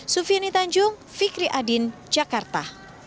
sufiani tanjung fikri adin jakarta